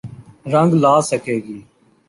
رنگ لا سکے گی۔